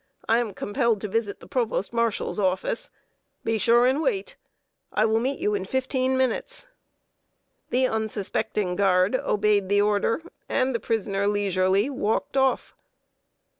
I am compelled to visit the Provost Marshal's office. Be sure and wait. I will meet you in fifteen minutes." The unsuspecting guard obeyed the order, and the prisoner leisurely walked off.